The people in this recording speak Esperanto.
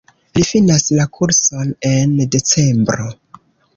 Li finas la kurson en decembro.